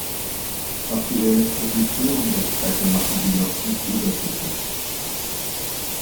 Auch die Elektrifizierung der Strecke machte die Loks nicht überflüssig.